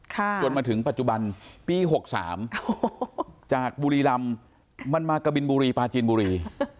จนมาถึงปัจจุบันปี๖๓จากบุรีรำมันมากะบินบุรีปลาจีนบุรี